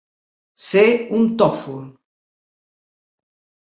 Ser un tòfol.